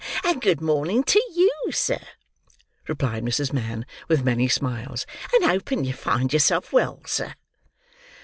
"Well, and good morning to you, sir," replied Mrs. Mann, with many smiles; "and hoping you find yourself well, sir!"